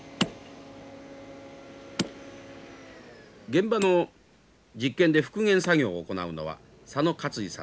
現場の実験で復元作業を行うのは左野勝司さんです。